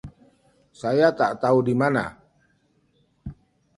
Saya tak tahu di mana.